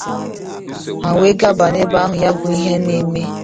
ha wee gaba n'ebe ahụ ya bụ ihe na-eme